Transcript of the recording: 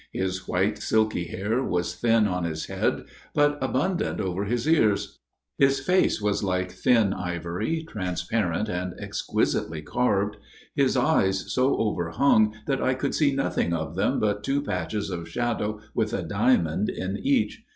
His white silky hair was thin on his head, but abundant over his ears ; his face was like thin ivory, trans parent and exquisitely carved ; his eyes so over hung that I could see nothing of them but two patches of shadow with a diamond in each.